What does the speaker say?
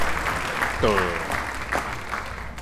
倒